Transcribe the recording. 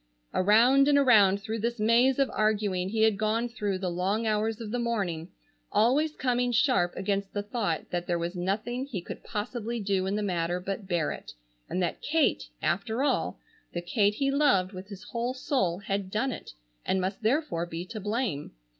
Around and around through this maze of arguing he had gone through the long hours of the morning, always coming sharp against the thought that there was nothing he could possibly do in the matter but bear it, and that Kate, after all, the Kate he loved with his whole soul, had done it and must therefore be to blame.